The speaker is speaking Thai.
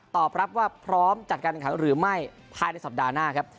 ตอบรับว่าพร้อมจัดการแข่งขันหรือไม่ภายในสัปดาห์หน้าครับ